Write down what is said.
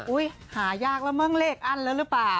อุ๊ยหายากแล้วเมื่อเลขอันแล้วหรือเปล่า